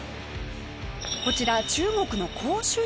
こちら中国の広州市。